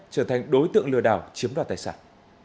trở thành đối tượng lừa đảo chiếm đoạt tài sản